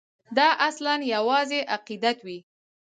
دا اصلاً یوازې عقیدت وي.